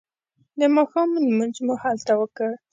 د ماښام لمونځ مو هلته وکړ.